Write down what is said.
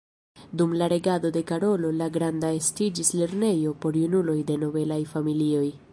Dum la regado de Karolo la Granda estiĝis lernejo por junuloj de nobelaj familioj.